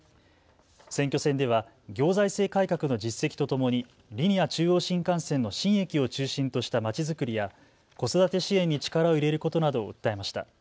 選挙戦では行財政改革の実績とともにリニア中央新幹線の新駅を中心とした町づくりや子育て支援に力を入れることなど訴えました。